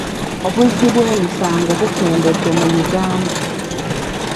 Obuzzi bw'emisango bukendedde mu Uganda.